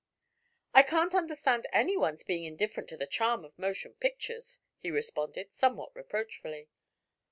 "I can't understand anyone's being indifferent to the charm of motion pictures," he responded, somewhat reproachfully.